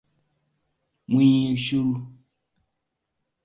Mun yi shiru.